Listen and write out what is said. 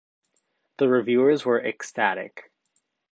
The reviewers were ecstatic.